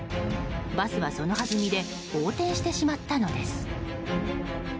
バスは、そのはずみで横転してしまったのです。